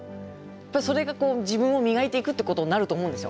それがこう自分を磨いていくっていうことになると思うんですよ。